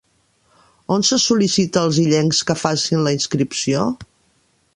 On se sol·licita als illencs que facin la inscripció?